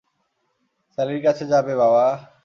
স্যালির কাছে যাবে বাবা?